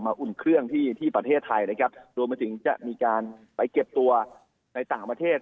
อุ่นเครื่องที่ที่ประเทศไทยนะครับรวมไปถึงจะมีการไปเก็บตัวในต่างประเทศ